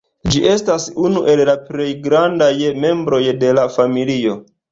Ĝi estas unu el la plej grandaj membroj de la familio.